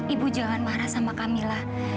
ibu jangan marah sama kamila